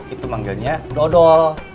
itu manggilnya dodol